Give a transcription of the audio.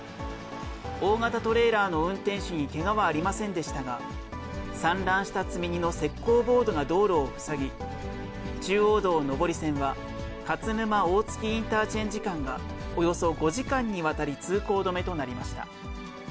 大型トレーラーの運転手にけがはありませんでしたが、散乱した積み荷の石こうボードが道路を塞ぎ、中央道上り線は、勝沼・大月インターチェンジ間がおよそ５時間にわたり通行止めとなりました。